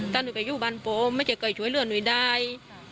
ถ้าหนูไปอยู่บ้านโผล่ไม่จะเกิดช่วยเรื่องหนูได้